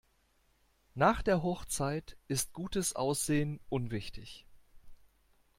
Nach der Hochzeit ist gutes Aussehen unwichtig.